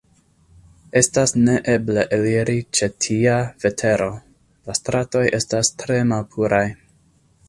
Estas neeble eliri ĉe tia vetero; la stratoj estas tre malpuraj.